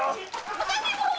私も！